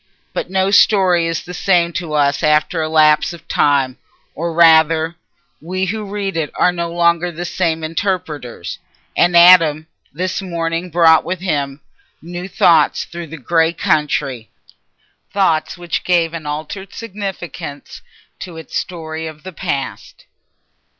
But no story is the same to us after a lapse of time—or rather, we who read it are no longer the same interpreters—and Adam this morning brought with him new thoughts through that grey country, thoughts which gave an altered significance to its story of the past.